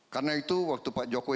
karena itu waktu pak jokowi